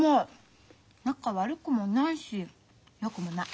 仲悪くもないしよくもない。